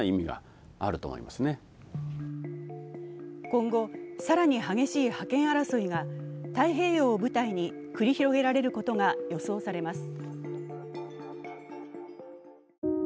今後、更に激しい派遣争いが太平洋を舞台に繰り広げられることが予想されます。